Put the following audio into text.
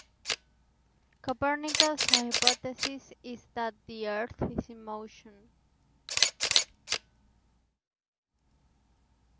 Copernicus' hypothesis is that the earth is in motion.